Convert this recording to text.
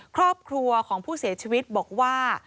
ครอบครัวของผู้เสียชีวิตบอกว่า